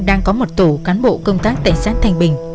đang có một tổ cán bộ công tác tại xã thanh bình